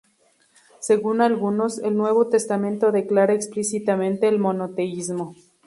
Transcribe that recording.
Según algunos, el Nuevo Testamento declara explícitamente el monoteísmo.